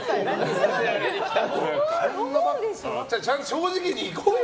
ちゃんと正直に行こうよ！